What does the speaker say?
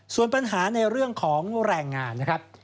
ส่วนปัญหาในเรื่องของแรงงานนะครับ